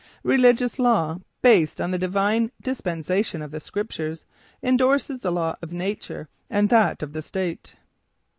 Religious law, based on the divine dispensation of the Scriptures, indorses the law of nature and that of the state.